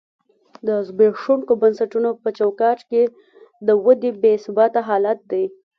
د زبېښونکو بنسټونو په چوکاټ کې د ودې بې ثباته حالت دی.